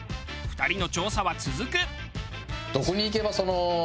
２人の調査は続く。